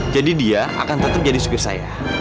jadi dia akan tetap jadi supir saya